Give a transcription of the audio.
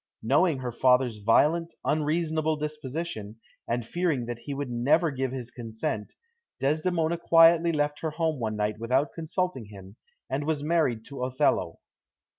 Knowing her father's violent, unreasonable disposition, and fearing that he would never give his consent, Desdemona quietly left her home one night without consulting him, and was married to Othello.